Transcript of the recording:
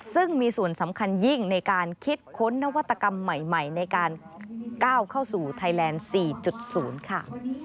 ซึ่งมีส่วนสำคัญยิ่งในการคิดค้นนวัตกรรมใหม่ในการก้าวเข้าสู่ไทยแลนด์๔๐ค่ะ